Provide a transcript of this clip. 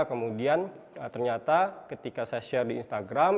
kemudian ternyata ketika saya share di instagram